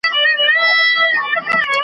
د دنیا هستي لولۍ بولی یارانو .